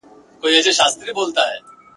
جګه لکه ونه د چینار په پسرلي کي ..